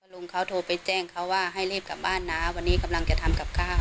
ลุงเขาโทรไปแจ้งเขาว่าให้รีบกลับบ้านนะวันนี้กำลังจะทำกับข้าว